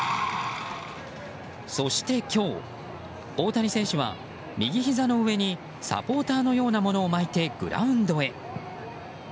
そして今日、大谷選手は右ひざの上にサポーターのようなものを巻いてグラウンドへ。